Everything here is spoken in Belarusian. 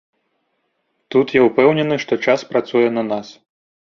Тут я ўпэўнены, што час працуе на нас.